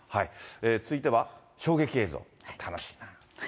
続いては、衝撃映像。